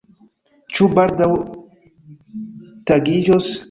Ĉu baldaŭ tagiĝos?